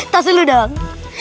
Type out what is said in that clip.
tas dulu dong